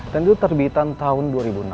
dan itu terbitan tahun dua ribu enam belas